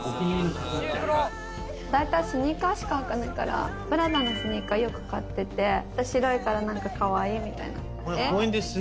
大体スニーカーしか履かないからＰＲＡＤＡのスニーカーよく買ってて白いから何かかわいいみたいな。